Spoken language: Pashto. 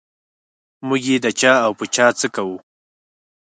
موږ یې د چا او په چا څه کوو.